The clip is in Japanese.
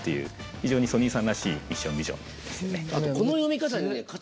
非常にソニーさんらしいミッションビジョンですよね。